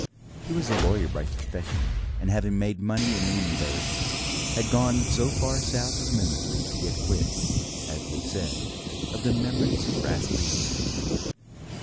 He was a lawyer by profession, and having made money in Edinburgh, had gone so far south as Moonfleet to get quit, as was said, of the memories of rascally deeds.